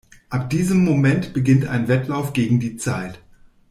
Ab diesem Moment beginnt ein Wettlauf gegen die Zeit.